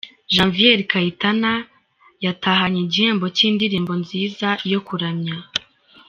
Janvier Kayitana yatahanye igihembo cy'indirimbo nziza yo kuramya.